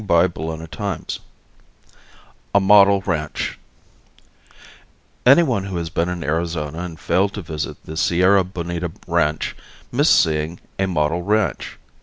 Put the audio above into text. CHAPTER VII A MODEL RANCH Any one who has been in Arizona and failed to visit the Sierra Bonita ranch missed seeing a model ranch.